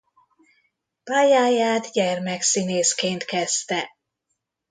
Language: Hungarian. Pályáját gyermekszínészként kezdte.